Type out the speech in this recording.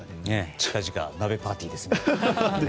近々鍋パーティーですね。